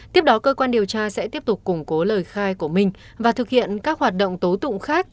tiếp đó cơ quan điều tra sẽ tiếp tục củng cố lời khai của minh và thực hiện các hoạt động tố tụng khác